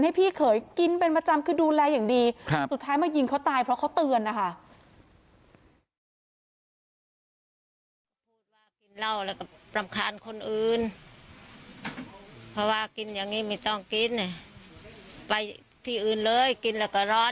ให้พี่เขยกินเป็นประจำคือดูแลอย่างดีสุดท้ายมายิงเขาตายเพราะเขาเตือนนะคะ